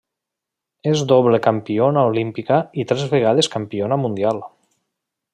És doble campiona olímpica i tres vegades campiona mundial.